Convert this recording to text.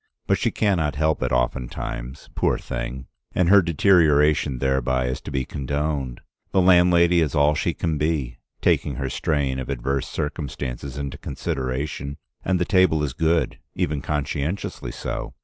But she can not help it oftentimes, poor thing, and her deterioration thereby is to be condoned. The landlady is all she can be, taking her strain of adverse circumstances into consideration, and the table is good, even conscientiously so.